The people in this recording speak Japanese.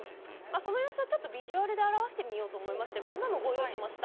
その様子をビジュアルで表してみようと思いましてこんなのをご用意しました。